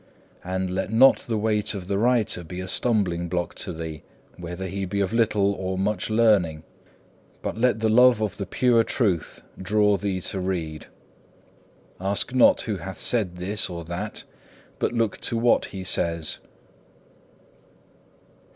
And let not the weight of the writer be a stumbling block to thee, whether he be of little or much learning, but let the love of the pure Truth draw thee to read. Ask not, who hath said this or that, but look to what he says.